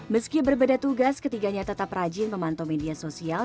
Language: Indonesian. meski berbeda tugas ketiganya tetap rajin memantau media sosial